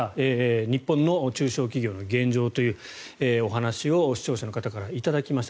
日本の中小企業の現状というお話を視聴者の方から頂きました。